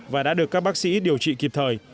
và đã được các bác sĩ điều trị kịp thời